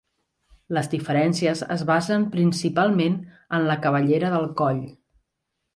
Les diferències es basen principalment en la cabellera del coll.